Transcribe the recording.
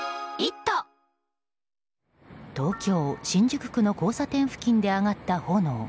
東京・新宿区の交差点付近で上がった炎。